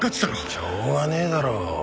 しょうがねえだろ。